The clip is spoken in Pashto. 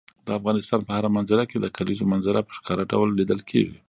د افغانستان په هره منظره کې د کلیزو منظره په ښکاره ډول لیدل کېږي.